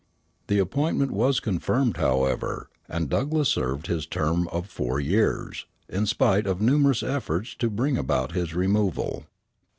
The appointment was confirmed, however; and Douglass served his term of four years, in spite of numerous efforts to bring about his removal.